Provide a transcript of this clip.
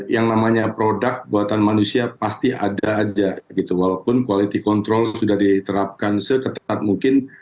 yang namanya produk buatan manusia pasti ada aja gitu walaupun quality control sudah diterapkan seketat mungkin